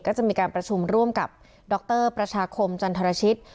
ก็จะมีการประชุมร่วมกับดรประชาคมจันทรชิต